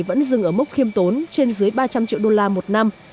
vẫn dừng ở mốc khiêm tốn trên dưới ba trăm linh triệu đô la một năm